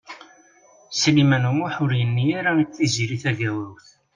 Sliman U Muḥ ur yenni ara i Tiziri Tagawawt.